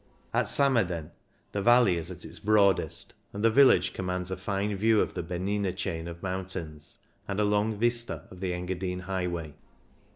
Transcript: At Samaden K I70 CYCLING IN THE ALPS the valley is at its broadest, and the village commands a fine view of the Bernina chain of mountains, and a long vista of the En gadine highway.